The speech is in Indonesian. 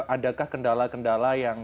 adakah kendala kendala yang